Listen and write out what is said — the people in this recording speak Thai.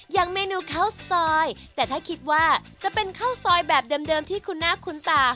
อย่างเมนูข้าวซอยแต่ถ้าคิดว่าจะเป็นข้าวซอยแบบเดิมที่คุณหน้าคุ้นตา